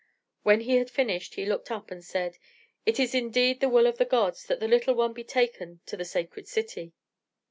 When he had finished he looked up and said: "It is indeed the will of the gods that the little one be taken to the sacred city."